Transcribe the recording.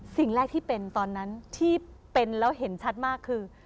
สิ่งแรกที่เป็นตอนนั้นที่เป็นแล้วเห็นชัดมากคือ